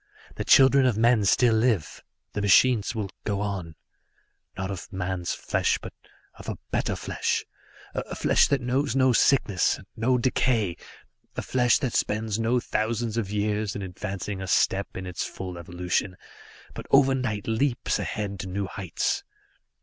The children of men still live the machines will go on. Not of man's flesh, but of a better flesh, a flesh that knows no sickness, and no decay, a flesh that spends no thousands of years in advancing a step in its full evolution, but overnight leaps ahead to new heights.